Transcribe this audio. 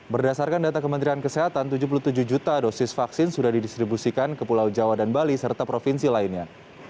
berdasarkan data kementerian kesehatan tujuh puluh tujuh juta dosis vaksin sudah didistribusikan ke pulau jawa dan bali serta provinsi lainnya